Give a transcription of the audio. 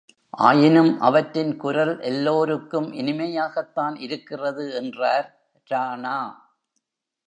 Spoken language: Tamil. ஆயினும், அவற்றின் குரல் எல்லோருக்கும் இனிமையாகத்தான் இருக்கிறது! என்றார் ராணா.